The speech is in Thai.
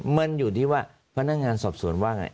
มันอยู่ที่ว่าพนักงานสอบสวนว่าไง